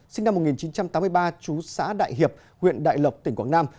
sinh năm một nghìn chín trăm tám mươi ba chú xã đại hiệp huyện đại lộc tỉnh quảng nam